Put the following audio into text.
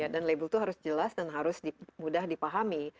label itu harus jelas dan harus mudah dipahami